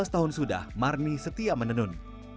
lima belas tahun sudah marni setia menenun